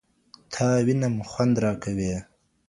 تا وينمه خونـد راكوي